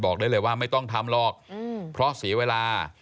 ได้เลยว่าไม่ต้องทำหรอกเพราะเสียเวลา